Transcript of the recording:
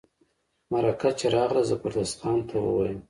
مرکه چي راغله زبردست خان ته وویل.